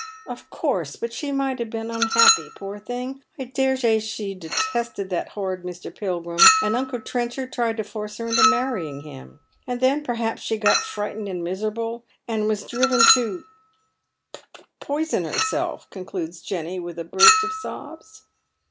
" Of course ; but she might have been unhappy, poor thing. I dare say she detested that horrid Mr. Pilgrim, and uncle Trenchard tried to force her into manying him, and then perhaps she got frightened and miserable, and was driven to p — p — poison her eelf," concludes Jenny, with a burst of sobs.